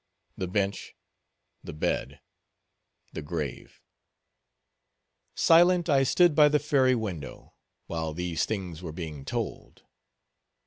The bench, the bed, the grave. Silent I stood by the fairy window, while these things were being told.